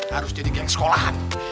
harus jadi geng sekolahan